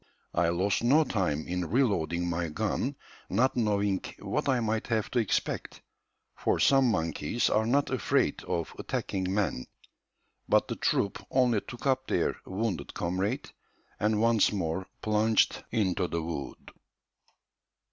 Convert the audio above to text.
I lost no time in reloading my gun not knowing what I might have to expect, for some monkeys are not afraid of attacking men; but the troop only took up their wounded comrade, and once more plunged into the wood."